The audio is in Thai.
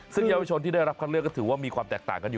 ซึ่งเยาวชนที่ได้รับคัดเลือกก็ถือว่ามีความแตกต่างกันอยู่